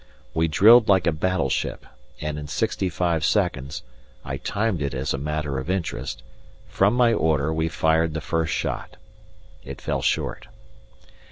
We drilled like a battleship, and in sixty five seconds I timed it as a matter of interest from my order we fired the first shot. It fell short.